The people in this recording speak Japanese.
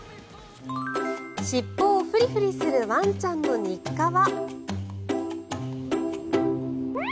尻尾をフリフリするワンちゃんの日課は。